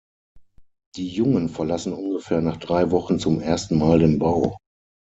Die Jungen verlassen ungefähr nach drei Wochen zum ersten Mal den Bau.